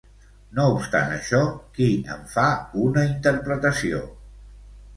No obstant això, qui en fa una interpretació?